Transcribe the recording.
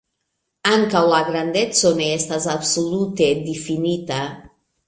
Ankaŭ la grandeco ne estas absolute difinita.